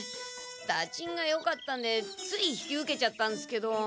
だちんがよかったんでつい引き受けちゃったんっすけど。